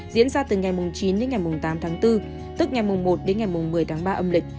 diễn ra từ ngày chín đến ngày tám tháng bốn tức ngày một đến ngày một mươi tháng ba âm lịch